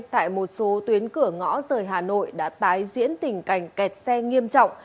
tại một số tuyến cửa ngõ rời hà nội đã tái diễn tình cảnh kẹt xe nghiêm trọng